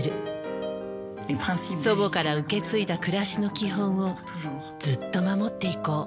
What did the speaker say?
祖母から受け継いだ暮らしの基本をずっと守っていこう。